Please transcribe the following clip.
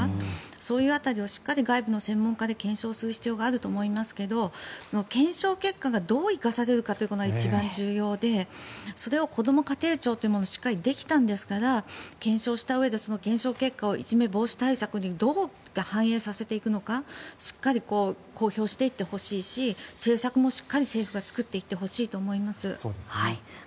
そういう辺りをしっかり外部の専門家で検証する必要があると思いますが検証結果がどう生かされるかが一番重要でそれをこども家庭庁というものがしっかりできたんですから検証したうえで検証結果をいじめ防止対策にどう反映させていくのかしっかり公表していってほしいし人類はこの秋えっ？